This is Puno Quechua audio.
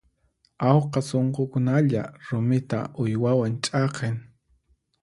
Awqa sunqukunalla rumita uywaman ch'aqin.